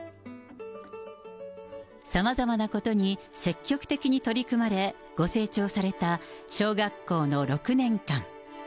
さまざまなことに積極的に取り組まれご成長された小学校の６年間。